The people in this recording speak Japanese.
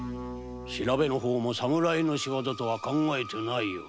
調べの方も侍の仕業とは考えてないようだ。